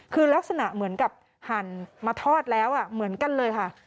คือลักษณะเหมือนกับหั่นมาทอดแล้วเหมือนกันเลยค่ะ